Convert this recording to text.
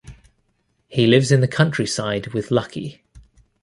He lives in the countryside with Lucky.